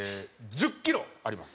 １０キロあります。